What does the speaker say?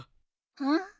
うん？